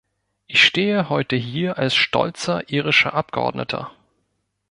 Ich stehe heute hier als stolzer irischer Abgeordneter.